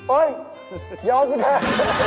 โอ๊ยยอมคุณแทน